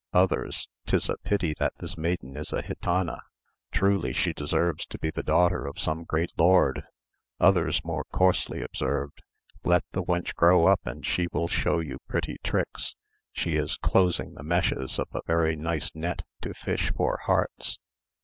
Others, "'Tis a pity that this maiden is a gitana: truly she deserves to be the daughter of some great lord!" Others more coarsely observed, "Let the wench grow up, and she will show you pretty tricks; she is closing the meshes of a very nice net to fish for hearts."